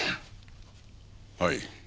はい。